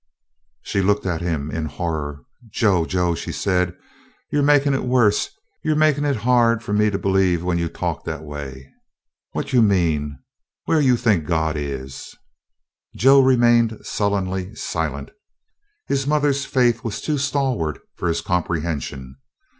She looked at him in horror. "Joe, Joe," she said, "you 're mekin' it wuss. You 're mekin' it ha'dah fu' me to baih when you talk dat a way. What you mean? Whaih you think Gawd is?" Joe remained sullenly silent. His mother's faith was too stalwart for his comprehension.